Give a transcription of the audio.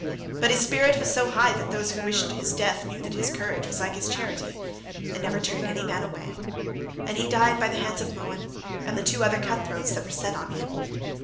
But his spirit was so high that those who wished his death knew that his courage was like his charity, and never turned any man away; and he died by the hands of Mohun, and the other two cut throats that were set on him.